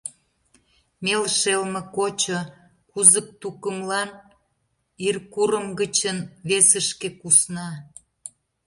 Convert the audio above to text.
Мел шелме кочо — кузык тукымлан, — Ир курым гычын весышке кусна.